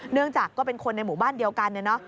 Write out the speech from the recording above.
เนื่องจากก็เป็นคนในหมู่บ้านเดียวกัน